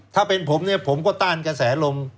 ถ้าเป็นผมเนี่ยผมก็ต้านกระแสลม